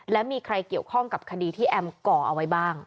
และมีใครเกี่ยวข้องกับคดีที่แอมก่อเอาไว้บ้าง